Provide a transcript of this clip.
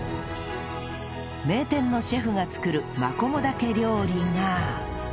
名店のシェフが作るマコモダケ料理が